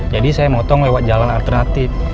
jadi saya motong lewat jalan alternatif